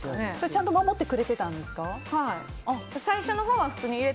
ちゃんと守ってくれてたんですか？